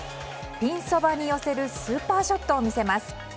ピンそばに寄せるスーパーショットを見せます。